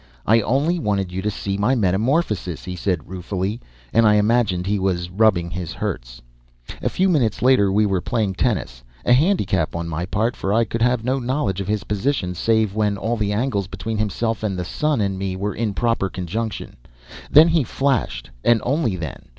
I only wanted you to see my metamorphosis," he said ruefully, and I imagined he was rubbing his hurts. A few minutes later we were playing tennis—a handicap on my part, for I could have no knowledge of his position save when all the angles between himself, the sun, and me, were in proper conjunction. Then he flashed, and only then.